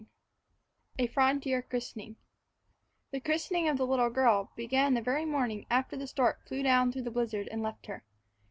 II A FRONTIER CHRISTENING THE christening of the little girl began the very morning after the stork flew down through the blizzard and left her.